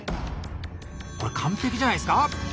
これ完璧じゃないですか？